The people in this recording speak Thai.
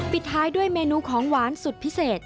ปิดท้ายด้วยเมนูของหวานสุดพิเศษ